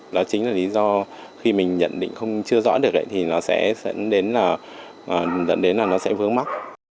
đó chính là lý do khi mình nhận định không chưa rõ được ấy thì nó sẽ dẫn đến là nó sẽ vướng mắc